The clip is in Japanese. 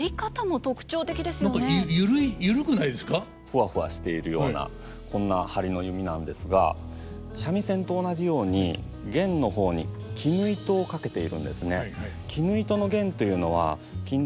ふわふわしているようなこんな張りの弓なんですが三味線と同じように絃の方に絹糸を掛けているんですね。